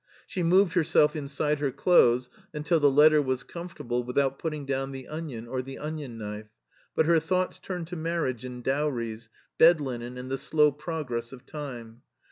She moved herself inside her clothes until the letter was comfortable without putting down the onion or the onion knife, but her thoughts turned to marriage and dowries, bed linen and the slow progress of time.